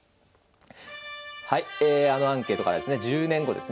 はいあのアンケートからですね１０年後ですね